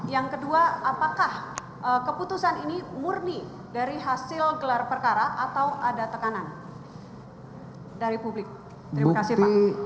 yang kedua apakah keputusan ini murni dari hasil gelar perkara atau ada tekanan dari publik terima kasih pak